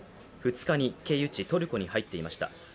２日に経由地トルコに入っていました。